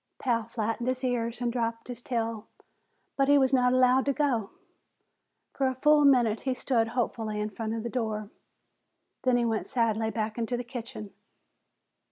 Pal flattened his ears and drooped his tail. But he was not allowed to go. For a full minute he stood hopefully in front of the door. Then he went sadly back into the kitchen.